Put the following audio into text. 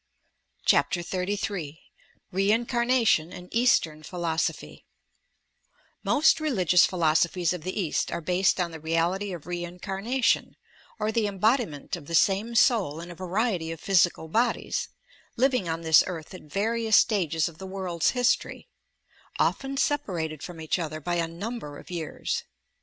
CHAPTER XXXm REIKCARNATION AND EASTERN PHILOSOPHY Most rBligious philosophies of the East are based on the reality of reincarnation, or the embodiment of the same soul in a variety of physical bodies, living on this earth at various stages of the world's history, often separated from each other by a number of years.